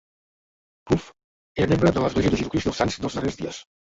Ruff era membre de l'Església de Jesucrist dels Sants dels Darrers Dies.